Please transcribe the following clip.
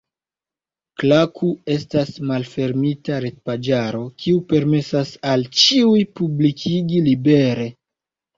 Klaku estas malfermita retpaĝaro, kiu permesas al ĉiuj publikigi libere.